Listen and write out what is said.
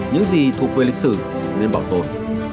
những gì thuộc về lịch sử nên bảo tồn